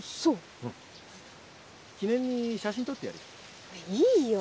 記念に写真撮ってやるよ。